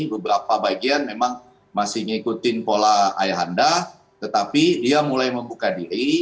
beberapa bagian memang masih mengikuti pola ayahanda tetapi dia mulai membuka diri